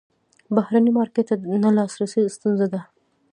بهرني مارکیټ ته نه لاسرسی ستونزه ده.